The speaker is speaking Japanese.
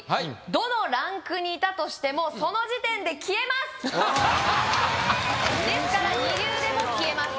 どのランクにいたとしてもその時点で消えますええー！